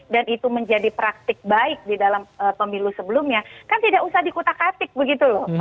dan itu menjadi praktik baik di dalam pemilu sebelumnya kan tidak usah dikutak katik begitu loh